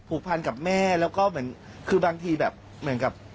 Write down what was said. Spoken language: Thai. ผูกพันกับแม่แล้วก็เหมือนคือบางทีแบบ